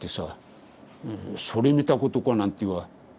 「それ見たことか」なんては言わない。